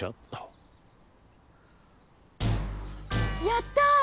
やった！